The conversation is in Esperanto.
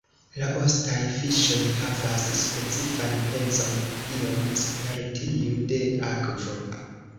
La ostaj fiŝoj havas specifan pezon iom super tiu de akvo.